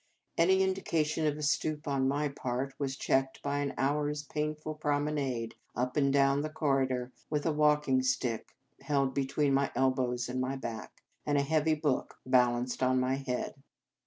Any indication of a stoop on my part was checked by an hour s painful promenade up and down the corridor, with a walking stick held between my elbows and my back, and a heavy book balanced on my head.